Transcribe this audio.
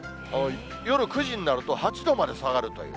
夜９時になると８度まで下がるという。